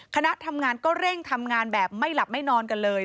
คณะทำงานก็เร่งทำงานแบบไม่หลับไม่นอนกันเลย